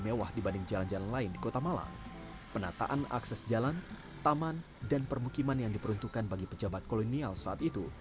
penang penataan akses jalan taman dan permukiman yang diperuntukkan bagi pejabat kolonial saat itu